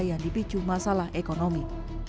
yang dipicu masalah ekonomi